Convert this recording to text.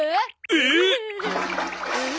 えっ！？